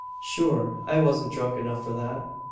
"Shure, I wasn't dhrunk enough for that.